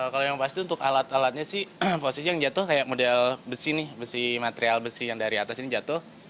kalau yang pasti untuk alat alatnya sih posisi yang jatuh kayak model besi nih besi material besi yang dari atas ini jatuh